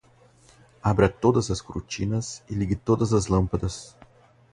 Abra todas as cortinas e ligue todas as lâmpadas